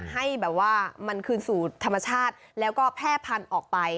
ให้แบบว่ามันคืนสู่ธรรมชาติแล้วก็แพร่พันธุ์ออกไป